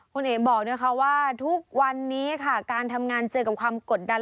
คุณเอ๋บอกนะคะว่าทุกวันนี้ค่ะการทำงานเจอกับความกดดัน